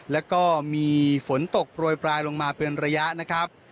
แล้วก็มีฝนตกโปรยปลายลงมาเป็นระยะนะครับ